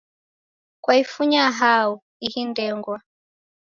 Kwaifunya hao ihi ndengwa?